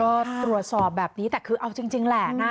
ก็ตรวจสอบแบบนี้แต่คือเอาจริงแหละนะ